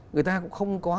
người ta cũng không có